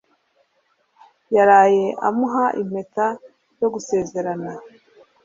Yaraye amuha impeta yo gusezerana